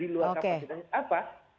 di luar kapasitas apa